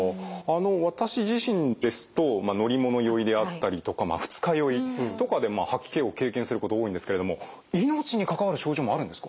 私自身ですと乗り物酔いであったりとか二日酔いとかで吐き気を経験すること多いんですけれども命に関わる症状もあるんですか？